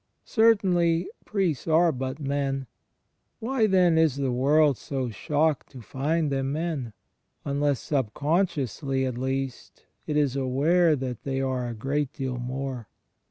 Cer tainly, priests are but men. Why, then, is the world so shocked to find them men, imless subconsciously at least it is aware that they are a great deal more?